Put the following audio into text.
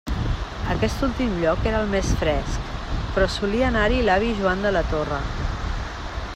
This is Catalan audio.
Aquest últim lloc era el més fresc, però solia anar-hi l'avi Joan de la Torre.